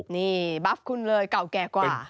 นี่บัฟคุณเลยเก่าแก่กว่า